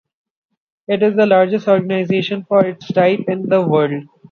It is the largest organization of its type in the world.